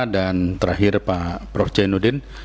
dan terakhir pak prof jainudin